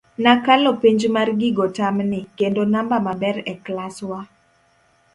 Nakalo penj mar gigo tam ni, kendo namba maber e klas wa.